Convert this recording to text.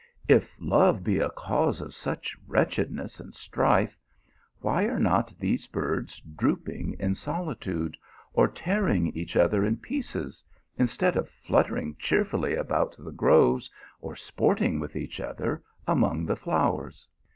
If love be a cause of such wretchedness and strife, why are not these birds drooping in solitude, or tear ing each other in pieces, instead of fluttering cheer fully about the groves, or sporting with each other among the flowers?